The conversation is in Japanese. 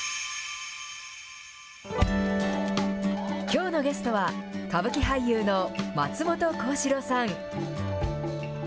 きょうのゲストは、歌舞伎俳優の松本幸四郎さん。